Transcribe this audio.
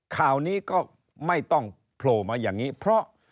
ข่าวนี้ก็ไม่ต้องโผล่มาอย่างนี้เพราะ